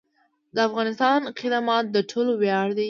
د افغانستان خدمت د ټولو ویاړ دی